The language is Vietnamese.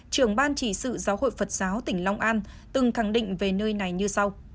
trưởng ban chỉ sự giáo hội phật giáo tỉnh long an từng khẳng định về nơi này như sau